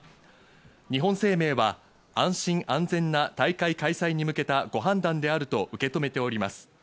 日本生命は安心・安全な大会開催に向けたご判断であると受け止めております。